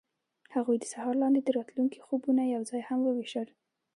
هغوی د سهار لاندې د راتلونکي خوبونه یوځای هم وویشل.